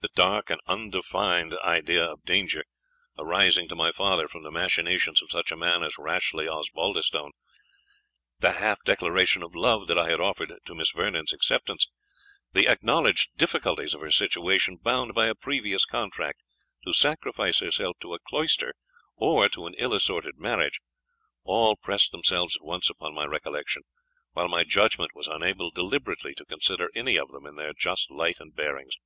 The dark and undefined idea of danger arising to my father from the machinations of such a man as Rashleigh Osbaldistone the half declaration of love that I had offered to Miss Vernon's acceptance the acknowledged difficulties of her situation, bound by a previous contract to sacrifice herself to a cloister or to an ill assorted marriage, all pressed themselves at once upon my recollection, while my judgment was unable deliberately to consider any of them in their just light and bearings.